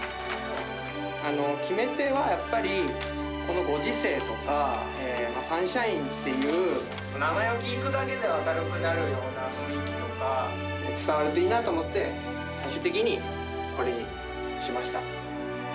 決め手はやっぱり、このご時世とか、サンシャインっていう、名前を聞くだけで明るくなるような雰囲気とかが伝わるといいなと思って、最終的に、これに決めました。